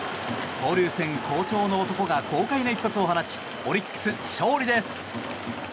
交流戦好調の男が豪快な一発を放ちオリックス、勝利です。